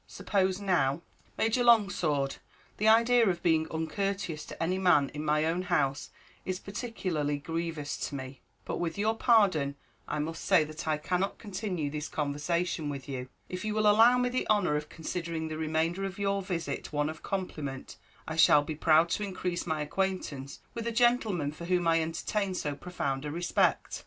Suppose now " "Major Longsword, the idea of being uncourteous to any man in my own house is particularly grievous to me; but with your pardon I must say that I cannot continue this conversation with you. If you will allow me the honour of considering the remainder of your visit one of compliment, I shall be proud to increase my acquaintance with a gentleman for whom I entertain so profound a respect."